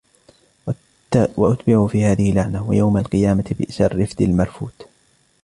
وأتبعوا في هذه لعنة ويوم القيامة بئس الرفد المرفود